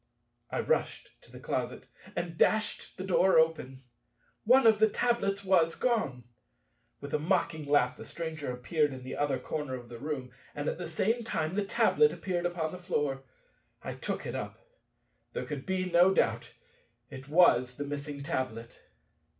I rushed to the closet and dashed the door open. One of the tablets was gone. With a mocking laugh, the Stranger appeared in the other corner of the room, and at the same time the tablet appeared upon the floor. I took it up. There could be no doubt—it was the missing tablet.